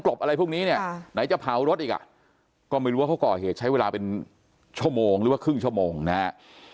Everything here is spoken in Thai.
ก็ไม่รู้ว่าเขาก่อเหตุใช้เวลาเป็นชั่วโมงหรือว่าครึ่งชั่วโมงนะฮะ